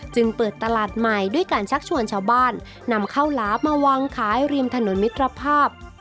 จึงเปิดตลาดใหม่ด้วยการชักชวนชาวบ้านนำข้าวหลามมาวางขายริมถนนมิตรภาพ